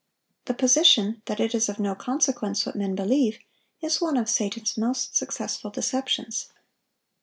The position that it is of no consequence what men believe, is one of Satan's most successful deceptions.